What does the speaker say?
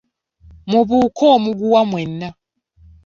Mubuuke omuguwa mwenna.